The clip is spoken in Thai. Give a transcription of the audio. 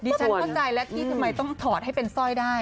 ฉันเข้าใจแล้วที่ทำไมต้องถอดให้เป็นสร้อยได้